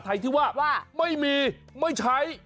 ไม่ไม่ไม่ใช่ไม่มีไม่ใช่